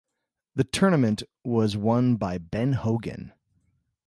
The tournament was won by Ben Hogan.